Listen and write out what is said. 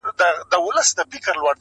ملا غاړي كړې تازه يو څه حيران سو -